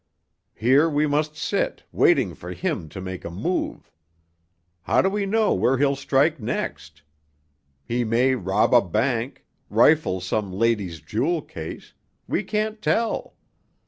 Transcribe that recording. Here we must sit, waiting for him to make a move. How do we know where he'll strike next? He may rob a bank, rifle some lady's jewel case—we can't tell.